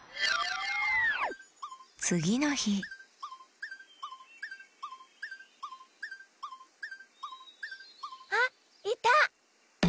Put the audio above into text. つぎのひあっいた！